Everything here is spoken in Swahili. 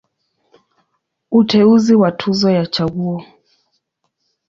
Uteuzi wa Tuzo ya Chaguo.